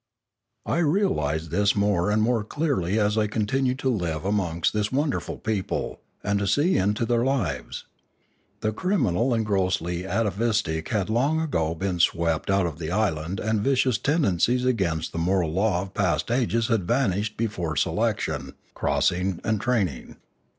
I realised this more and more clearly as I continued to live amongst this wonderful people, and to see into their lives. The criminal and grossly atavistic had been long ago swept out of the island and vicious ten dencies against the moral law of past ages had vanished before selection, crossing, and training.